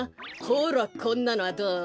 ほらこんなのはどう？